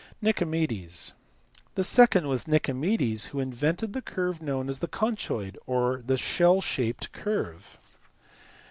Nicomedes. The second was Nicomedes who invented the curve known as the conchoid or the shell shaped curve.